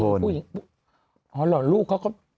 อ๋อเหรอลูกของเขาก็